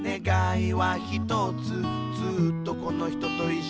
「ずっとこの人といっしょに」